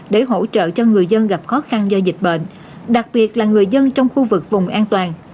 để hỗ trợ cho người dân gặp khó khăn do dịch bệnh đặc biệt là người dân trong khu vực vùng an toàn